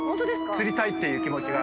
「釣りたい」っていう気持ちが。